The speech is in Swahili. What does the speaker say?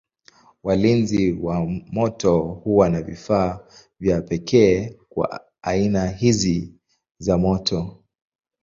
Walinzi wa moto huwa na vifaa vya pekee kwa aina hizi za moto.